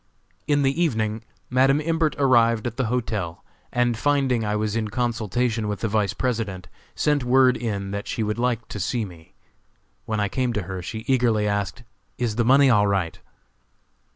In the evening Madam Imbert arrived at the hotel, and finding I was in consultation with the Vice President, sent word in that she would like to see me. When I came to her she eagerly asked: "Is the money all right?"